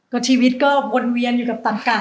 ก็ชีวิตก็วนเวียนอยู่กับตักกะ